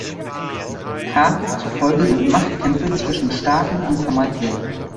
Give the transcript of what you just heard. Carr zufolge sind Machtkämpfe zwischen Staaten unvermeidlich.